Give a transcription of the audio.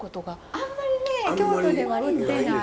あんまりね京都では売ってない。